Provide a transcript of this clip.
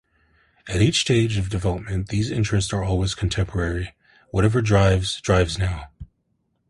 At each stage of development these interests are always contemporary; whatever drives, drives now.